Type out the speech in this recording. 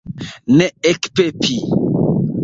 Ne ekpepi!